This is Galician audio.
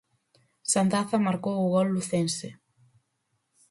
Sandaza marcou o gol lucense.